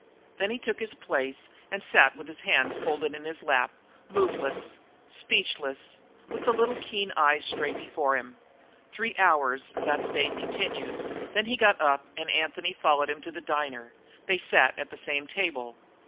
Then he took his place and sat with his hands folded in his lap, moveless, speechless, with the little keen eyes straight before him three hours that state continued. Then he got up and Anthony followed him to the diner. They sat at the same table.